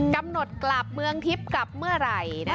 กำหนดกลับเมืองทิพย์กลับเมื่อไหร่